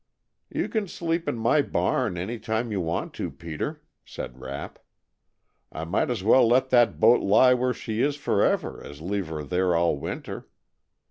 "You can sleep in my barn any time you want to, Peter," said Rapp. "I might as well let that boat lie where she is forever as leave her there all winter.